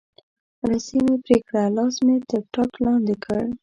رسۍ مې پرې کړه، لاس مې تر ټاټ لاندې کړ.